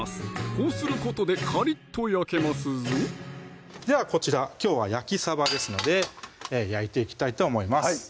こうすることでカリッと焼けますぞではこちらきょうは焼きサバですので焼いていきたいと思います